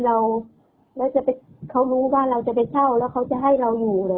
แล้วจะไปเขารู้ว่าเราจะไปเช่าแล้วเขาจะให้เราอยู่เหรอ